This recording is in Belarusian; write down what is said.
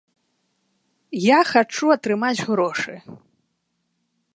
Я хачу атрымаць грошы.